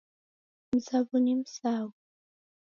Mzaw'o ni Msau